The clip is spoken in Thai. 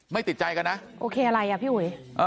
ไม่ติดใจกันนะโอเคอะไรอ่ะพี่อุ๋ย